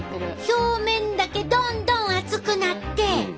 表面だけどんどん熱くなって。